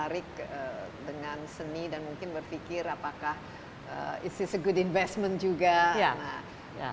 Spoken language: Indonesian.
yang tertarik dengan seni dan mungkin berpikir apakah ini juga investasi yang baik